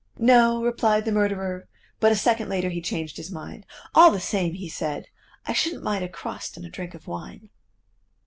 "No," replied the murderer, but a second later he changed his mind. "All the same," he said, "I shouldn't mind a crust and a drink of wine."